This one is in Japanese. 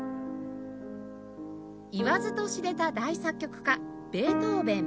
言わずと知れた大作曲家ベートーヴェン